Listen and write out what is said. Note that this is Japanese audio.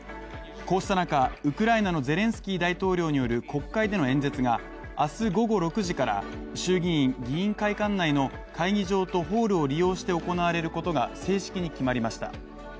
こうした中、ウクライナのゼレンスキー大統領による国会での演説が明日午後６時から衆議院議員会館内の会議場とホールを利用して行われることが正式に決まりました。